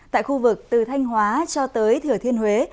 tại khu vực từ thanh hóa cho tới thừa thiên huế